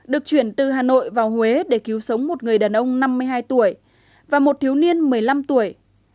được chuyển từ hà nội vào huế để cứu sống một người đàn ông năm mươi hai tuổi và một thiếu niên một mươi năm tuổi